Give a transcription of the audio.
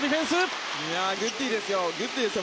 グッディですよ！